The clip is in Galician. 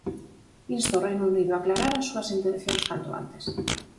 Insto o Reino Unido a aclarar as súas intencións canto antes.